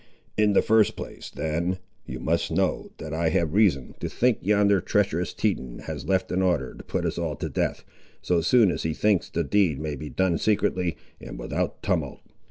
In the first place, then, you must know that I have reason to think yonder treacherous Teton has left an order to put us all to death, so soon as he thinks the deed may be done secretly, and without tumult."